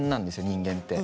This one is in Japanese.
人間って。